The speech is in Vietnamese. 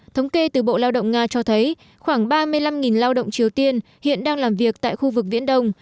thống kê từ bộ lao động nga cho thấy khoảng ba mươi năm lao động triều tiên hiện đang làm việc tại khu vực viễn đông